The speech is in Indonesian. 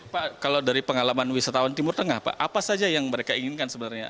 pak kalau dari pengalaman wisatawan timur tengah pak apa saja yang mereka inginkan sebenarnya